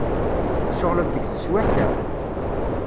Tceɣleḍ deg teswiεt-a?